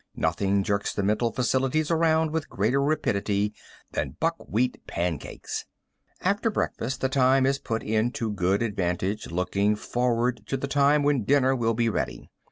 Nothing jerks the mental faculties around with greater rapidity than buckwheat pancakes. After breakfast the time is put in to good advantage looking forward to the time when dinner will be ready.